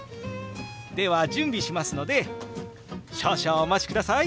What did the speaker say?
では準備しますので少々お待ちください。